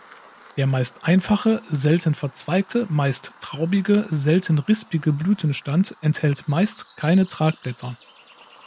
Der meist einfache, selten verzweigte, meist traubige, selten rispige Blütenstand enthält meist keine Tragblätter.